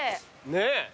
ねえ！